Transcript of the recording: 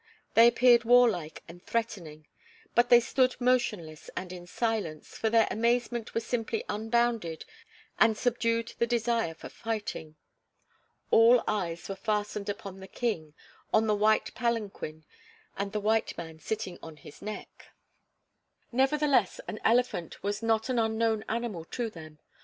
They appeared warlike and threatening, but they stood motionless and in silence, for their amazement was simply unbounded and subdued the desire for fighting. All eyes were fastened upon the King, on the white palanquin, and the white man sitting on his neck. Nevertheless, an elephant was not an unknown animal to them.